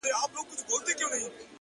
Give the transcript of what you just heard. د ښایستونو خدایه سر ټيټول تاته نه وه؛